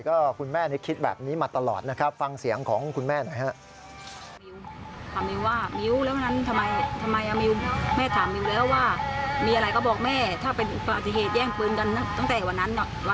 ก็คุณแม่นี่คิดแบบนี้มาตลอดนะครับฟังเสียงของคุณแม่หน่อยฮะ